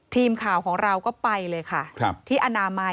ทีมข่าวของเราก็ไปเลยค่ะ